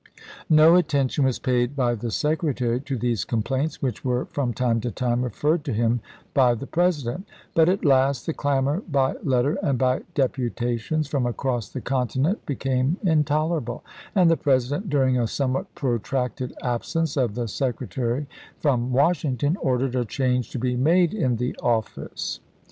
No attention was paid by the Secretary to these complaints, which were from time to time referred to him by the President ; but at last the clamor by letter and by deputations from across the continent became intolerable, and the President, during a somewhat protracted absence of the Secretary from Washington, ordered a change to be made in the office.